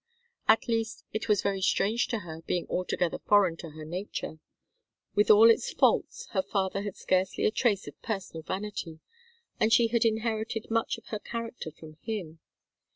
At least, it was very strange to her, being altogether foreign to her own nature. With all his faults, her father had scarcely a trace of personal vanity, and she had inherited much of her character from him.